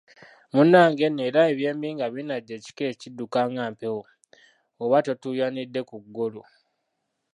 Munnage nno era eby'embi nga binajja ekikere kidduka nga mpewo, bwoba totuuyanidde ku ggolu!